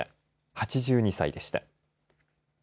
８２歳でした。